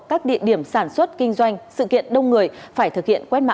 các địa điểm sản xuất kinh doanh sự kiện đông người phải thực hiện quét mã